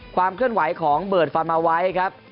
ความเคลื่อนไหวของเบิร์ดฟันมาไว้ครับ